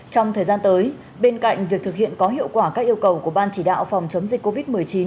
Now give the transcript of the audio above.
trong thời gian tới bên cạnh việc thực hiện có hiệu quả các yêu cầu của ban chỉ đạo phòng chống dịch covid một mươi chín